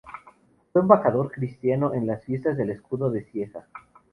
Fue Embajador Cristiano en las Fiestas del Escudo de Cieza.